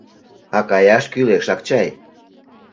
А каяш кӱлешак чай.